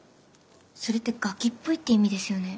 それってガキっぽいって意味ですよね。